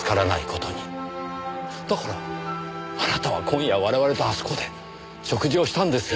だからあなたは今夜我々とあそこで食事をしたんですよ。